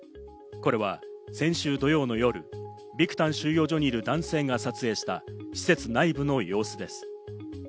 これは先週土曜の夜、ビクタン収容所にいる男性が撮影した施設内部の様子です。